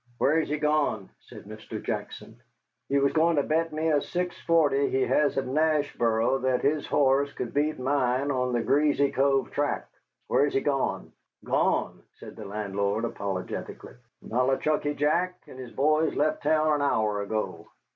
"Where's he gone?" said Mr. Jackson. "He was going to bet me a six forty he has at Nashboro that his horse could beat mine on the Greasy Cove track. Where's he gone?" "Gone!" said the landlord, apologetically, "Nollichucky Jack and his boys left town an hour ago."